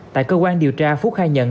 tại cơ quan điều tra phú khai nhận